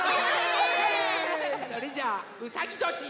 それじゃうさぎどし